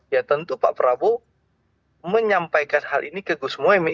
ya tentu pak prabowo menyampaikan hal ini ke gus muhaymin